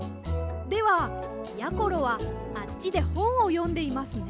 ではやころはあっちでほんをよんでいますね。